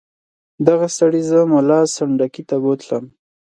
دغه سړي زه ملا سنډکي ته بوتلم.